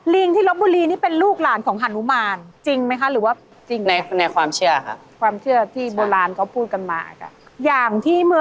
ลิงที่ลบบุรีนี่เป็นลูกหลานของหันหุมาน